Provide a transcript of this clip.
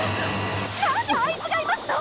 何であいつがいますの？